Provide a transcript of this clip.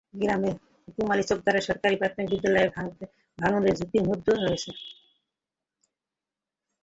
গ্রামের হুকুম আলী চোকদার সরকারি প্রাথমিক বিদ্যালয়টি ভাঙনের ঝুঁকির মধ্যে রয়েছে।